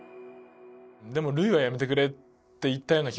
でも「塁はやめてくれ」って言ったような気がします。